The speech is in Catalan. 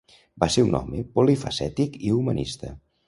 Va ser un home polifacètic i humanista.